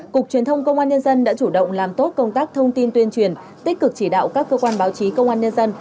cục truyền thông công an nhân dân đã chủ động làm tốt công tác thông tin tuyên truyền tích cực chỉ đạo các cơ quan báo chí công an nhân dân